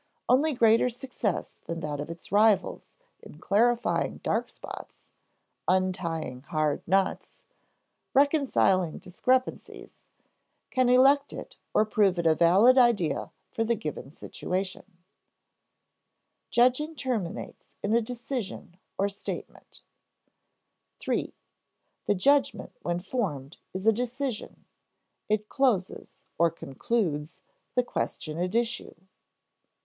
Only greater success than that of its rivals in clarifying dark spots, untying hard knots, reconciling discrepancies, can elect it or prove it a valid idea for the given situation. [Sidenote: Judging terminates in a decision or statement] 3. The judgment when formed is a decision; it closes (or concludes) the question at issue.